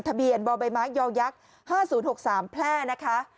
ทะเบียนบบมยย๕๐๖๓แพร่นะคะ